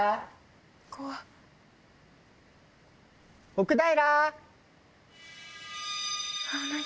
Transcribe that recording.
奥平！